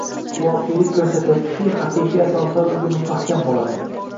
Voqelik ko‘rsatyaptiki, haqiqiy asoslar o‘zi mustahkam bo‘ladi.